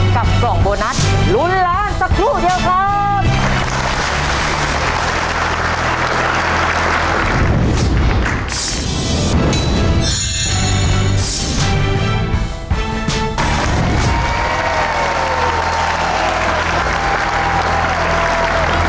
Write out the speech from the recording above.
กล่องโบนัสลุ้นล้านสักครู่เดียวครับ